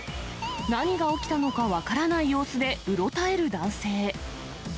何が起きたのか分からない様子で、うろたえる男性。